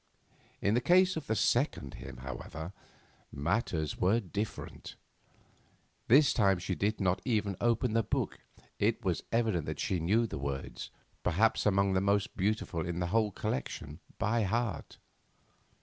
In the case of the second hymn, however, matters were different. This time she did not even open the book. It was evident that she knew the words, perhaps among the most beautiful in the whole collection, by heart.